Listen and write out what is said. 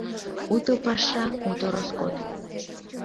Уто паша, уто роскот.